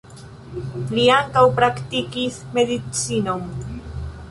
Li ankaŭ praktikis medicinon.